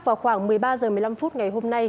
vào khoảng một mươi ba h một mươi năm phút ngày hôm nay